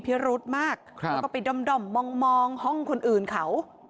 พิรุธมากแล้วก็ไปด้อมมองห้องคนอื่นเขา